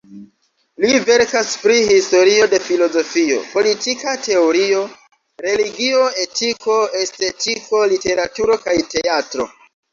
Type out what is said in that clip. Li verkas pri historio de filozofio, politika teorio, religio, etiko, estetiko, literaturo kaj teatro.